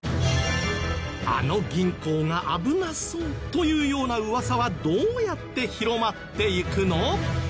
あの銀行が危なそうというような噂はどうやって広まっていくの？